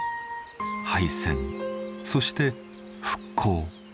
敗戦そして復興。